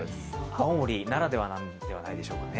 青森ならではなんではないでしょうかね。